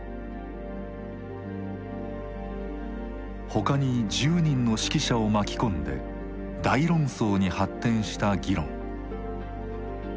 他に１０人の識者を巻き込んで大論争に発展した議論。